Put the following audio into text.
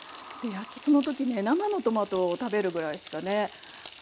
その時ね生のトマトを食べるぐらいしかね。